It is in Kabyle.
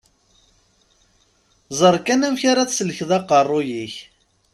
Ẓer kan amek ara tesselkeḍ aqqerruy-ik.